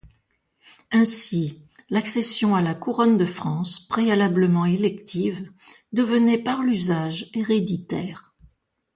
Ainsi, l'accession à la couronne de France, préalablement élective, devenait par l'usage héréditaire.